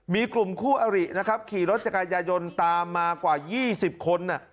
มีกลุ่มคู่อรินะครับขี่รถจักรยายนตามมากว่า๒๐คน